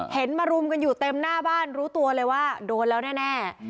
มารุมกันอยู่เต็มหน้าบ้านรู้ตัวเลยว่าโดนแล้วแน่